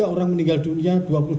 tiga orang meninggal dunia